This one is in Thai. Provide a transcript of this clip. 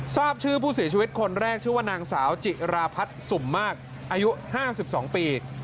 ทราบชื่อผู้เสียชีวิตคนแรกชื่อว่านางสาวจิราพัฒน์สุ่มมากอายุ๕๒ปี